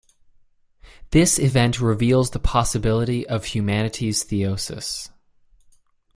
This event reveals the possibility of humanity's theosis.